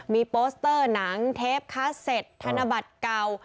มีโปสเตอร์หนังเทปคาเซ็ตธนบัตรเก่า